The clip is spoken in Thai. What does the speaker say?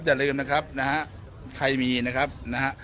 อย่าลืมนะครับนะฮะใครมีนะครับนะฮะ